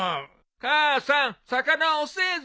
母さん魚遅えぞ！